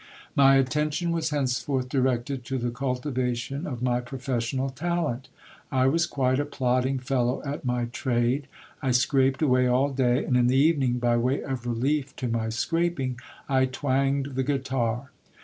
My attention was henceforth directed to the cultivation of my professional talent ; I was quite a plodding fellow at my trade. I scraped away all day ; and in the evening, by way of relief to my scraping, I twanged the guitar.